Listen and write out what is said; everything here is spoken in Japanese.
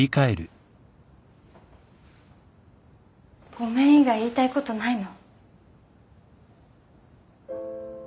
ごめん以外言いたいことないの？